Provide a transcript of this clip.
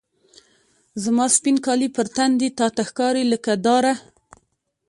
زما سپین کالي په تن دي، تا ته ښکاري لکه داره